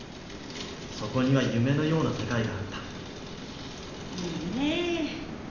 そこには夢のような世界があったいいねえ。